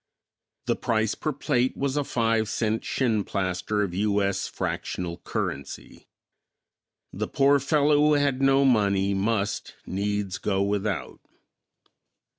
The price per plate was a five cent shinplaster of U. S. fractional currency. The poor fellow who had no money must needs go without.